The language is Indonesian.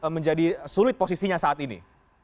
menjadi sulit posisinya saat ini